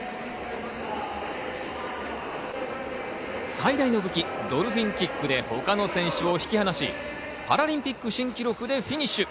最大の武器、ドルフィンキックで他の選手を引き離し、パラリンピック新記録でフィニッシュ。